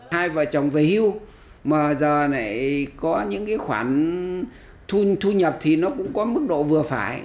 hai vợ chồng về hưu mà giờ này có những cái khoản thu nhập thì nó cũng có mức độ vừa phải